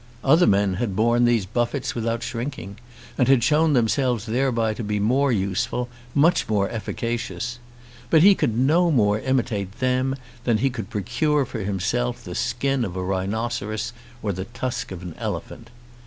Other men had borne these buffets without shrinking, and had shown themselves thereby to be more useful, much more efficacious; but he could no more imitate them than he could procure for himself the skin of a rhinoceros or the tusk of an elephant.